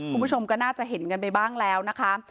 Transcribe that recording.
คุณผู้ชมก็น่าจะเห็นกันไปบ้างแล้วนะคะ